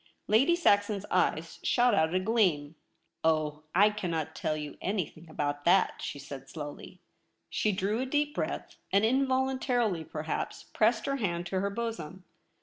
Lady Saxon's eyes shot out a gleam. ' Oh, I cannot tell you anything about that/ she said slowly. She drew a deep breath, and, involuntarily, perhaps, pressed her hand to her bosom.